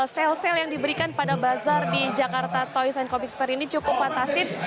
sel sel yang diberikan pada bazar di jakarta toys and comics fair ini cukup fantastis